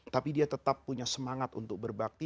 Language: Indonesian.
tapi dia tetap punya semangat untuk berbakti